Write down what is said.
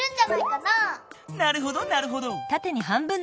なるほどなるほど。